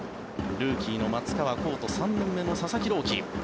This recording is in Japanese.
ルーキーの松川虎生と３年目の佐々木朗希。